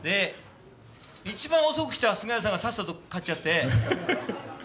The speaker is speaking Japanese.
一番遅く来た菅家さんがさっさと勝っちゃって次に我々が。